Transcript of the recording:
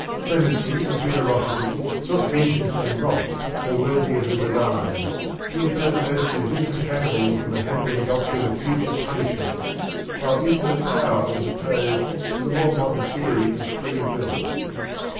Clemency and generosity, not vengeance and wrath, were worthy of the Divine; infinite mercy was incompatible with the Mohammedan doctrine of future i)unishments, while infinite power was opposed to the more modern theory of free will.